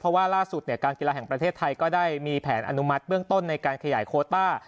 เพราะว่าล่าสุดการกีฬาแห่งประเทศไทยก็ได้มีแผนอนุมัติเบื้องต้นในการขยายโคต้า